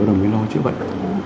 mới lo chữa bệnh